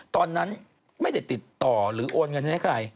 ตอนนั้นไม่ได้ติดต่อหรือโอนเงินให้ใคร